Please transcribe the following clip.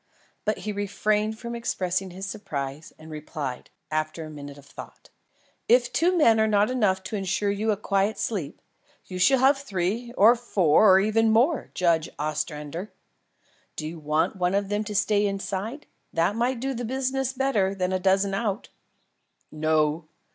But he refrained from expressing his surprise and replied, after a minute of thought: "If two men are not enough to ensure you a quiet sleep, you shall have three or four or even more, Judge Ostrander. Do you want one of them to stay inside? That might do the business better than a dozen out." "No.